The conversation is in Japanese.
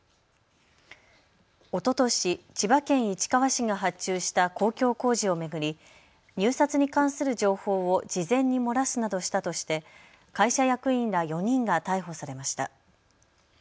おととし千葉県市川市が発注した公共工事を巡り入札に関する情報を事前に漏らすなどしたとして会社役員ら４人が逮捕されました。